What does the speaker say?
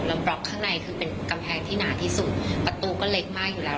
แล้วบล็อกข้างในคือเป็นกำแพงที่หนาที่สุดประตูก็เล็กมากอยู่แล้ว